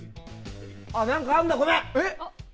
何かあるんだ、ごめん！